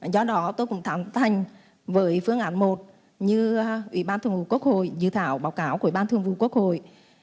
do đó tôi cũng thẳng thành với phương án một như ủy ban thường vụ quốc hội dự thảo báo cáo của ủy ban thường vụ quốc hội